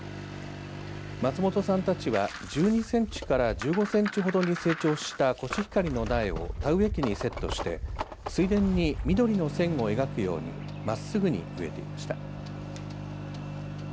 松本さんたちは１２センチから１５センチほどに成長したコシヒカリの苗を田植え機にセットして水田に緑の線を描くようにまっすぐに植えていました。